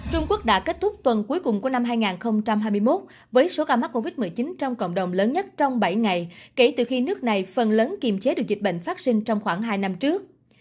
trung quốc đã kết thúc tuần cuối cùng của năm hai nghìn hai mươi một với số ca mắc covid một mươi chín trong cộng đồng lớn nhất trong bảy ngày kể từ khi nước này phần lớn kiềm chế được dịch bệnh phát sinh trong khoảng hai năm trước